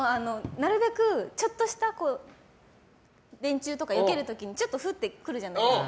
なるべく、ちょっとした電柱とかをよける時にちょっとふっと来るじゃないですか。